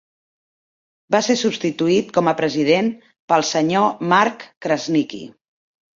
Va ser substituït com a president pel Sr. Mark Krasniqi.